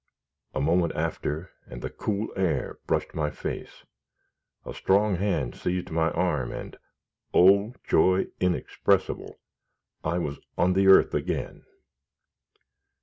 A moment after, and the cool air brushed my face; a strong hand seized my arm, and Oh, joy inexpressible! I was on the earth again.